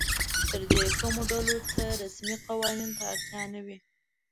تر دې کمو ډلو ته رسمي قوانینو ته اړتیا نه وي.